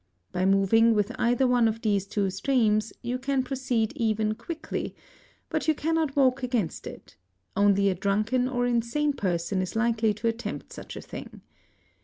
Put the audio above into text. By moving with either one of these two streams you can proceed even quickly; but you cannot walk against it: only a drunken or insane person is likely to attempt such a thing.